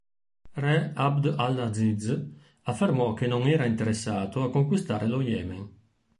Re Abd al-Aziz affermò che non era interessato a conquistare lo Yemen.